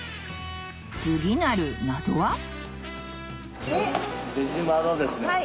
次なる謎は？